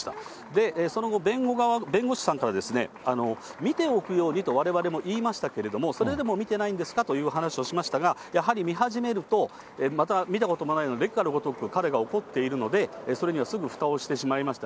で、その後、弁護士さんからですね、見ておくようにとわれわれも言いましたけれども、それでも見てないんですかという話をしましたが、やはり見始めると、また見たこともない、烈火のごとく彼が怒っているので、それにはすぐふたをしてしまいました、